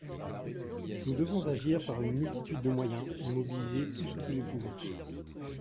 Nous devons agir par une multitude de moyens et mobiliser tout ce que nous pouvons.